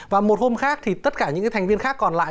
và một hôm khác thì tất cả những cái thành viên khác còn lại